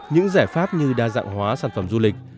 những giải pháp như đa dạng hóa sản phẩm du lịch